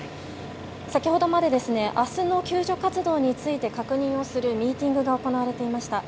先ほどまで、明日の救助活動について確認をするミーティングが行われていました。